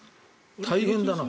大変だな。